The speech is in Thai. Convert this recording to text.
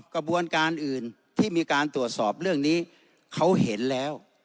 กระบวนการอื่นที่มีการตรวจสอบเรื่องนี้เขาเห็นแล้ว